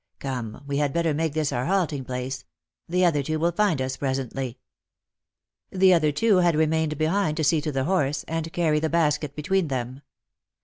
Come, we had better make this our halting place. The other two will find us pre sently." The other two had remained behind to see to the horse, and carry the basket between them.